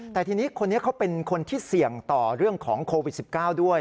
แต่ทีนี้คนนี้เขาเป็นคนที่เสี่ยงต่อเรื่องของโควิด๑๙ด้วย